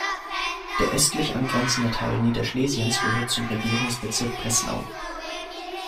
Der östlich angrenzende Teil Niederschlesiens gehörte zum Regierungsbezirk Breslau.